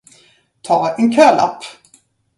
Ta en kölapp!